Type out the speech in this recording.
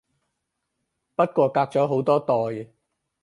不過隔咗好多代